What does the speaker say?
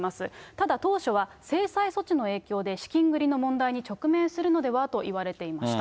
ただ、当初は制裁措置の影響で、資金繰りの問題に直面するのではといわれていました。